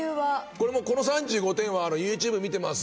これもうこの３５点は「ＹｏｕＴｕｂｅ見てます」